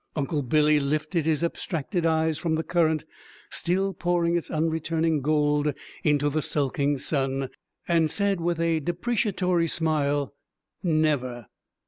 Uncle Billy lifted his abstracted eyes from the current, still pouring its unreturning gold into the sulking sun, and said, with a deprecatory smile, "Never!"